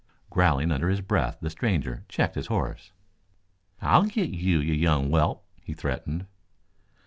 Growling under his breath the stranger checked his horse. "I'll git you yet, you young whelp!" he threatened.